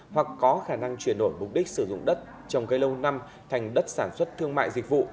hoặc có khả năng chuyển đổi mục đích sử dụng đất trồng cây lâu năm thành đất sản xuất thương mại dịch vụ